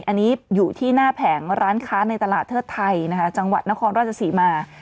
อันนี้อยู่ที่หน้าแผงร้านค้าในตลาดเทิดไทยนะคะจังหวัดนครราชศรีมา